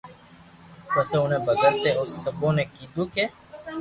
پسو اوڻي ڀگت اي او سپايو ني ڪيدو ڪي